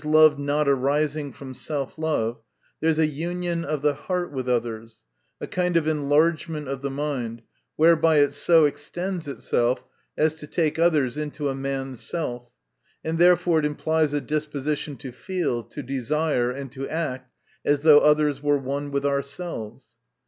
love not arising from self love) there is a union of the heart with others ; a kind of en largement of the mind, whereby it so extends itself as to take others into a man's self : and therefore it implies a disposition to feel, to desire, and to act as though others were one with ourselves.